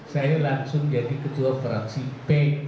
saya langsung jadi ketua fraksi p tiga